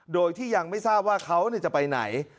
โดยที่ยังไม่ทราบว่าเขาจะไปไหน